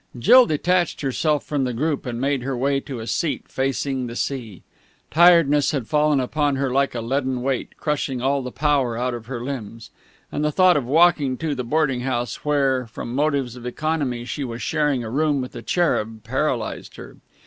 Jill detached herself from the group, and made her way to a seat facing the sea. Tiredness had fallen upon her like a leaden weight, crushing all the power out of her limbs, and the thought of walking to the boarding house where, from motives of economy, she was sharing a room with the Cherub, paralysed her.